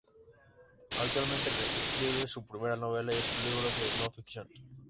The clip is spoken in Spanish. Actualmente escribe su primera novela y otro libro de no-ficción.